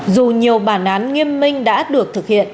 dù nhiều bản án nghiêm minh đã được thực hiện